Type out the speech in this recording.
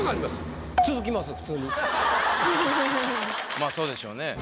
まあそうでしょうね。